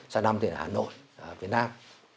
sau năm thì ở hà nội việt nam